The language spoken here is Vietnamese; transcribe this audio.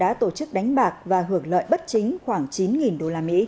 đã tổ chức đánh bạc và hưởng lợi bất chính khoảng chín usd